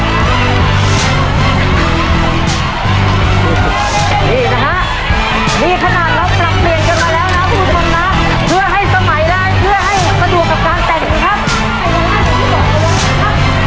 นี่นะฮะนี่ขนาดเราปรับเปลี่ยนกันมาแล้วนะคุณผู้ชมนะเพื่อให้สมัยแรงเพื่อให้สะดวกกับการแต่งนะครับ